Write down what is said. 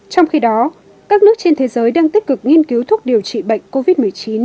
trong khi đó các nước trên thế giới đang tích cực nghiên cứu thuốc điều trị bệnh covid một mươi chín